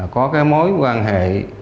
có mối quan hệ